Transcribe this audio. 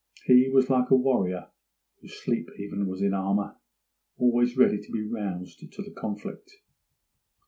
He was like a warrior whose sleep even was in armour, always ready to be roused to the conflict.